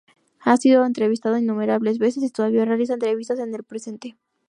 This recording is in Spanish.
Ha sido entrevistado innumerables veces y todavía realiza entrevistas en el presente.